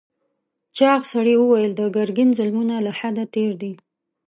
چاغ سړي وویل د ګرګین ظلمونه له حده تېر دي.